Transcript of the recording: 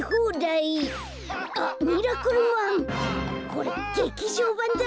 これげきじょうばんだ。